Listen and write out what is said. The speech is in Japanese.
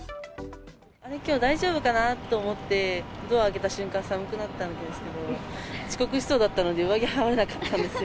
あれ、きょう大丈夫かなと思ってドア開けた瞬間、寒くなったんですけど、遅刻しそうだったので、上着羽織れなかったんですよ。